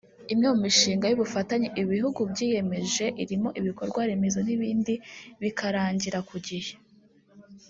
imwe mu mishinga y’ubufatanye ibi bihugu byiyemeje irimo ibikorwa remezo n’ibindi bikarangira ku gihe